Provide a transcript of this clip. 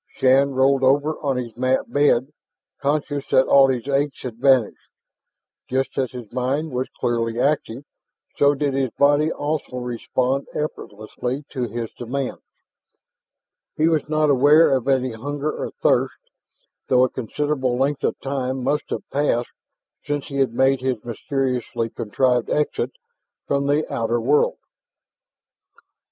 Shann rolled over on his mat bed, conscious that all his aches had vanished. Just as his mind was clearly active, so did his body also respond effortlessly to his demands. He was not aware of any hunger or thirst, though a considerable length of time must have passed since he had made his mysteriously contrived exit from the outer world.